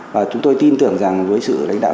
và chúng tôi tin tưởng rằng với sự lãnh đạo